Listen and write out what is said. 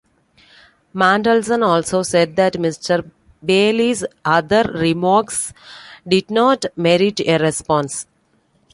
Mandelson also said that Mr Bayley's other remarks did not merit a response.